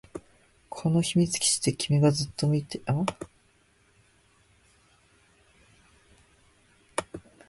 この秘密基地で君がずっと見ていた、スーパーの中庭から掘り出したあの写真集だった